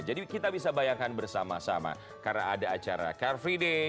jadi kita bisa bayangkan bersama sama karena ada acara car free day